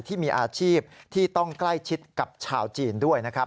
ที่มีอาชีพที่ต้องใกล้ชิดกับชาวจีนด้วยนะครับ